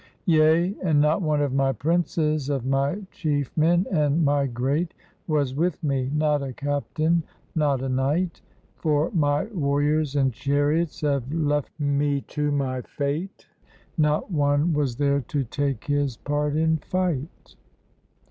"Yea, and not one of my princes, of my chief men and my great, Was with me, not a captain, not a knight; For my warriors and chariots had left me to my fate, Not one was there to take his part in fight."